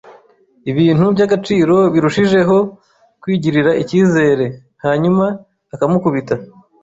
ibintu by'agaciro birushijeho kwigirira icyizere'— hanyuma ukamukubita. ”